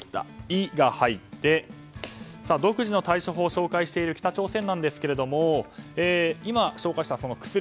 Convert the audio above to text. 「イ」が入って独自の対処法を紹介している北朝鮮なんですが今、紹介した薬